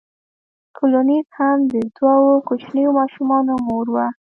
کولینز هم د دوو کوچنیو ماشومانو مور وه.